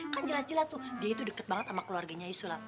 kan jelas jelas tuh dia itu dekat banget sama keluarganya yusuf